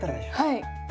はい。